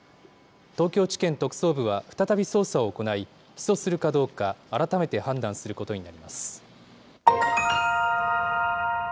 東京地検特捜部は再び捜査を行い、起訴するかどうか改めて判断することになります。